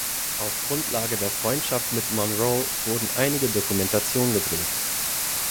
Auf Grundlage der Freundschaft mit Monroe wurden einige Dokumentationen gedreht.